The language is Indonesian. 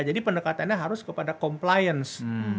jadi pendekatannya harus kepada komplians